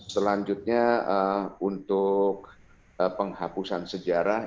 selanjutnya untuk penghapusan sejarah